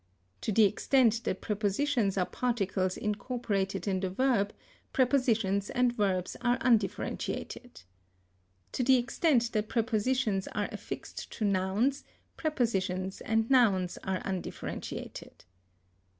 To the extent that prepositions are particles incorporated in the verb, prepositions and verbs are undifferentiated. To the extent that prepositions are affixed to nouns, prepositions and nouns are undifferentiated.